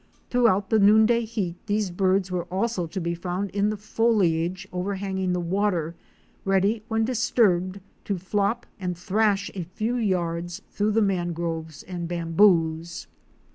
Throughout the noonday heat these birds were always to be found in the foliage overhanging the water, ready when disturbed to flop and thrash a few yards through the mangroves and bamboos.